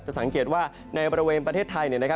จะสังเกตว่าในบริเวณประเทศไทยนะครับ